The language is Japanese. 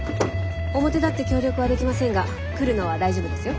表立って協力はできませんが来るのは大丈夫ですよ。